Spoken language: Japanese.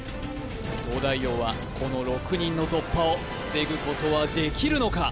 東大王はこの６人の突破を防ぐことはできるのか？